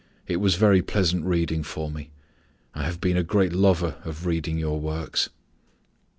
It was very pleasant reading for me. I have been a great lover of reading your works.